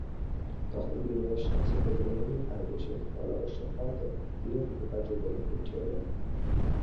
তখন বিনয়ের কাছে হরিমোহিনীর আর বসিয়া থাকা অনাবশ্যক হওয়াতে তিনিও গৃহকার্য উপলক্ষে উঠিয়া গেলেন।